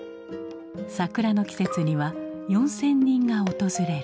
桜の季節には４，０００人が訪れる。